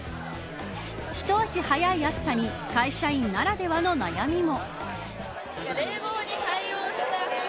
一足早い暑さに会社員ならではの悩みも。